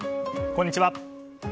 こんにちは。